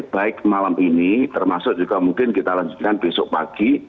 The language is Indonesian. baik malam ini termasuk juga mungkin kita lanjutkan besok pagi